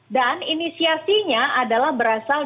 dan inisiasinya adalah berasal dari